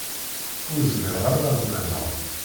Ur zmireɣ ara ad qqimeɣ.